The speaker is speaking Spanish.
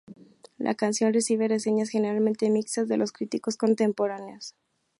La canción recibió reseñas generalmente mixtas de los críticos contemporáneos.